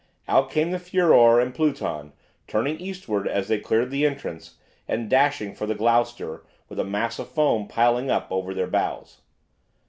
Out came the "Furor" and "Pluton," turning eastward as they cleared the entrance, and dashing for the "Gloucester" with a mass of foam piling up over their bows.